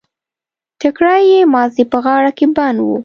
ټکری يې مازې په غاړه کې بند و.